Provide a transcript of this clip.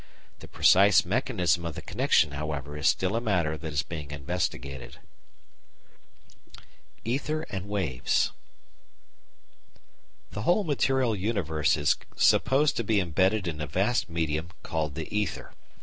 The precise mechanism of the connection, however, is still a matter that is being investigated. ETHER AND WAVES Ether and Waves The whole material universe is supposed to be embedded in a vast medium called the ether.